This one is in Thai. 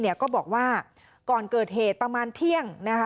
ก็บอกว่าก่อนเกิดเหตุประมาณเที่ยงนะคะ